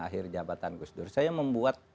akhir jabatan gus dur saya membuat